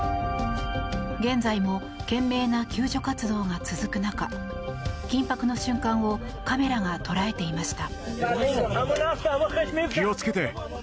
現在も懸命な救助活動が続く中緊迫の瞬間をカメラが捉えていました。